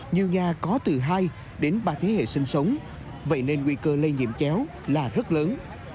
nhiều nhà có từ hai đến ba thế hệ sinh sống vậy nên nguy cơ lây nhiễm chéo là rất lớn